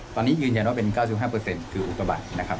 ตอนนี้ยืนยันว่าเป็น๙๕คืออุปัตินะครับ